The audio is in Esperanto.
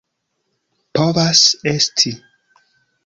Povas esti.